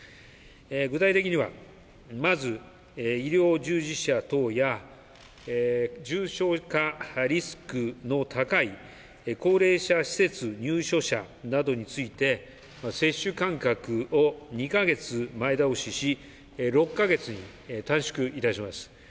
具体的には、まず医療従事者等や重症化リスクの高い高齢者施設入所者などについて接種間隔を２カ月前倒しし、６カ月に短縮いたします。